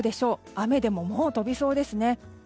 雨でももう飛びそうですね。